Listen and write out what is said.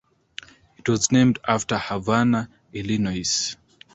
It was named after Havana, Illinois.